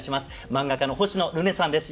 漫画家の星野ルネさんです。